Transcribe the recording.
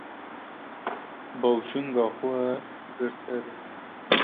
Bawşînka xewê girt ser wî.